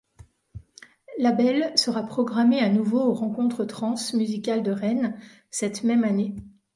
Labelle sera programmé à nouveau aux Rencontres Trans Musicales de Rennes cette même année.